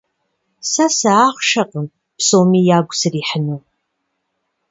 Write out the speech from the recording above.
Сэ сыахъшэкъым псоми ягу срихьыну.